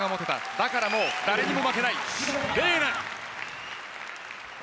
だからもう誰に負けない。